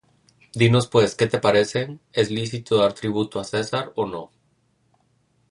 Dinos pues, ¿qué te parece? ¿es lícito dar tributo á César, ó no?